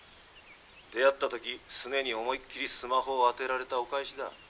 「出会った時スネに思いっきりスマホを当てられたお返しだ」。